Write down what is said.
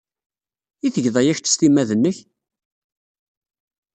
I tged aya kecc s timmad-nnek?